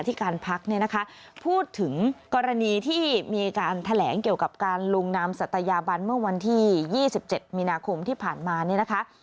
ที่การพักเนี่ยนะคะพูดถึงกรณีที่มีการแถลงเกี่ยวกับการลงนามสัตยาบันเมื่อวันที่๒๗มีนาคมที่ผ่านมาเนี่ยนะคะ